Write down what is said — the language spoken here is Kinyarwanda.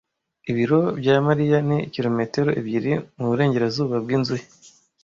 Ibiro bya Mariya ni kilometero ebyiri mu burengerazuba bw'inzu ye.